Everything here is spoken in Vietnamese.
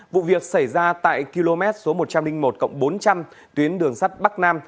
vụ việc xảy ra tại km một trăm linh một bốn trăm linh tuyến đường sắt bắc nam